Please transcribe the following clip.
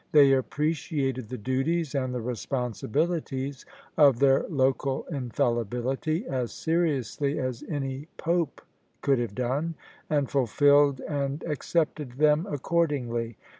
They a^pp^eciated the duties and the responsi bilities of their local infallibility as seriously as any Pope could have done: and fulfilled tmd accepted them accord ingly.